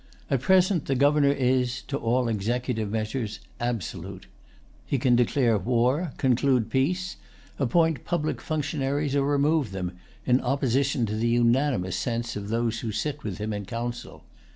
At present the Governor is, as to all executive measures, absolute. He can declare war, conclude peace, appoint public functionaries or remove them, in opposition to the unanimous sense of those who sit with him in council.